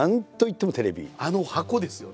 あの箱ですよね。